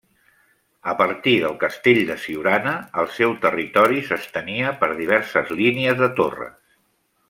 A partir del castell de Siurana, el seu territori s'estenia per diverses línies de torres.